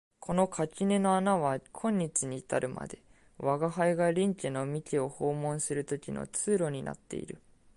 この垣根の穴は今日に至るまで吾輩が隣家の三毛を訪問する時の通路になっている